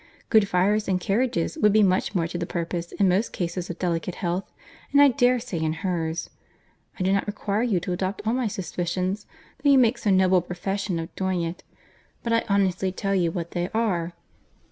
Good fires and carriages would be much more to the purpose in most cases of delicate health, and I dare say in her's. I do not require you to adopt all my suspicions, though you make so noble a profession of doing it, but I honestly tell you what they are."